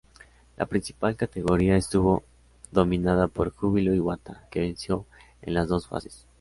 La principal categoría estuvo dominada por Júbilo Iwata, que venció en las dos fases.